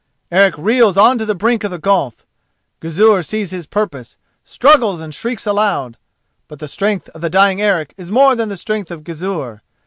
Eric reels on to the brink of the gulf. Gizur sees his purpose, struggles and shrieks aloud. But the strength of the dying Eric is more than the strength of Gizur.